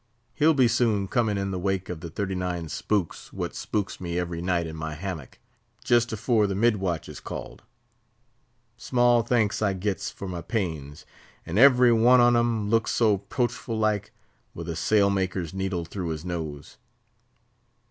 He'll be soon coming in the wake of the thirty nine spooks what spooks me every night in my hammock—jist afore the mid watch is called. Small thanks I gets for my pains; and every one on 'em looks so 'proachful like, with a sail maker's needle through his nose.